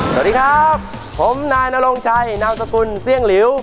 สวัสดีครับผมนายนรงชัยนามสกุลเซี่ยงหลิว